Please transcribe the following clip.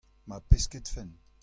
ma pesketfen.